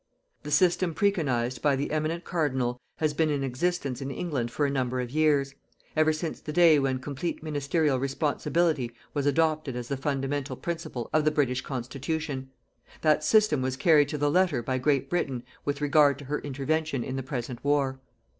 The system preconized by the Eminent Cardinal has been in existence in England for a number of years; ever since the day when complete ministerial responsibility was adopted as the fundamental principle of the British constitution. That system was carried to the letter by Great Britain with regard to her intervention in the present war.